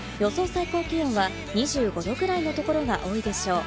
最高気温は２５度ぐらいのところが多いでしょう。